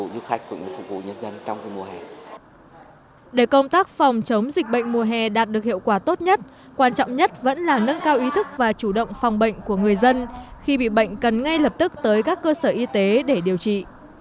để công tác phòng chống dịch bệnh mùa hè đạt được hiệu quả tốt nhất quan trọng nhất vẫn là nâng cao ý thức và chủ động phòng bệnh của người dân khi bị bệnh cần ngay lập tức tới các cơ sở y tế để điều trị